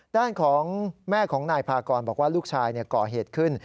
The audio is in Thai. ด้านของแม่ของนายพากรบอกว่าลูกชายก่อเหตุขึ้น